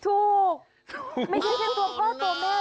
ถูกไม่ใช่แค่ตัวเบ้าตัวแม่